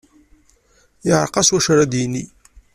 Yeɛreq-as wacu ara d-yini.